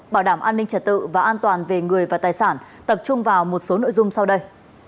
bảo đảm an ninh trật tự và an toàn về người và tài sản tập trung vào một số nội dung sau đây